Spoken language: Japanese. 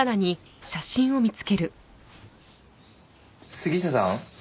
杉下さん。